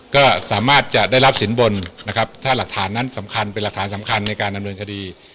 ก็สามารถจะได้รับสินบนนะครับถ้าหลักฐานนั้นสำคัญเป็นหลักฐานสำคัญในการดำเนินคดี